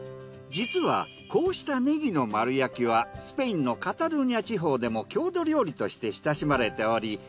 実はこうしたねぎの丸焼きはスペインのカタルーニャ地方でも郷土料理として親しまれており